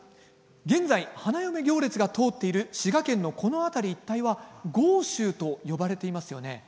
現在花嫁行列が通っている滋賀県のこの辺り一帯は江州と呼ばれていますよね。